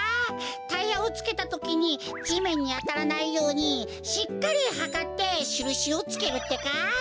タイヤをつけたときにじめんにあたらないようにしっかりはかってしるしをつけるってか。